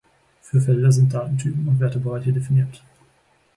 Für Felder sind Datentypen und Wertebereiche definiert.